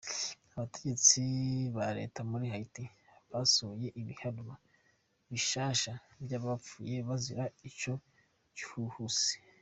Abategetsi bar eta muri Haiti basohoye ibiharuro bishasha vy’abapfuye bazira ico gihuhusi.